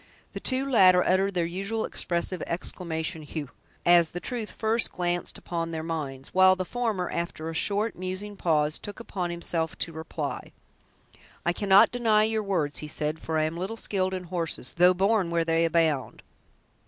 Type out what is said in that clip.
The two latter uttered their usual expressive exclamation, "hugh!" as the truth first glanced upon their minds, while the former, after a short, musing pause, took upon himself to reply. "I cannot deny your words," he said, "for I am little skilled in horses, though born where they abound.